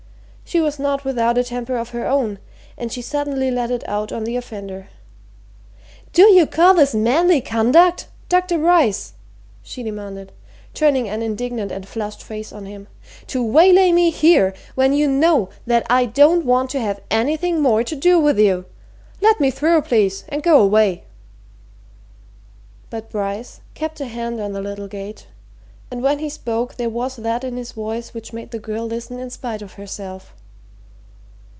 She was not without a temper of her own, and she suddenly let it out on the offender. "Do you call this manly conduct, Dr. Bryce?" she demanded, turning an indignant and flushed face on him. "To waylay me here, when you know that I don't want to have anything more to do with you. Let me through, please and go away!" But Bryce kept a hand on the little gate, and when he spoke there was that in his voice which made the girl listen in spite of herself.